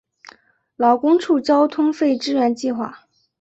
劳工处交通费支援计划